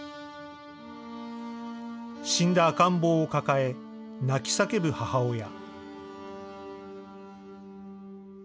死んだ赤ん坊を抱え泣き叫ぶ母親。